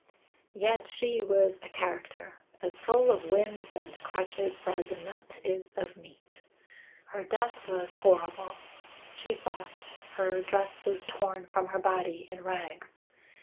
"Yet, she was a character as full of whims and crotchets as a nut is of meat. Her death was horrible. She fought her dress was torn from her body in rags.